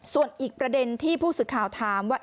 ส่วนอีกประเด็นที่ผู้สื่อข่าวถามว่า